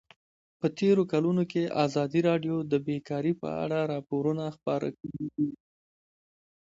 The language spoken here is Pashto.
په تېرو کلونو کې ازادي راډیو د بیکاري په اړه راپورونه خپاره کړي دي.